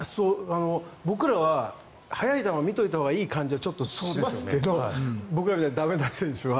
僕らは速い球を見ておいたほうがいい感覚はちょっとしますけど僕らみたいな駄目な選手は。